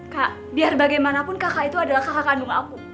kak biar bagaimanapun kakak itu adalah kakak kandung aku